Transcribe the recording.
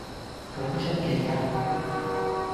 好出奇呀